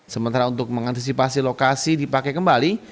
sementara untuk mengantisipasi lokasi dipakai kembali